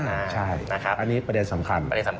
อ้ะใช่อันนี้ประเด็นสำคัญ